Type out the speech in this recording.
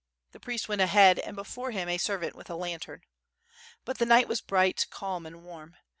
The priest went ahead and before him a servant with a lantern. But the night was bright, calm, and warm.